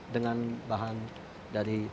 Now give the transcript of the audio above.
dengan bahan dari toys ini